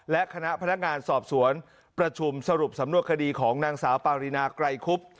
และคณะพนักงานสอบสวนประชุมสรุปสำนวนคดีของนางสาวปารีนาไกรคุบ